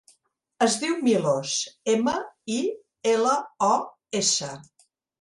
Es diu Milos: ema, i, ela, o, essa.